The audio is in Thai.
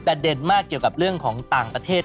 แต่เด่นมากเกี่ยวกับเรื่องของต่างประเทศ